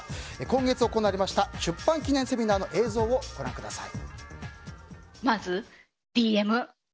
今月行われました出版記念セミナーの映像をご覧ください。